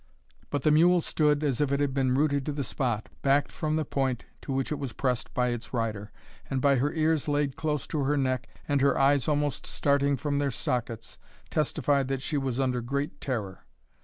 But the mule stood as if it had been rooted to the spot, backed from the point to which it was pressed by its rider, and by her ears laid close into her neck, and her eyes almost starting from their sockets, testified that she was under great terror.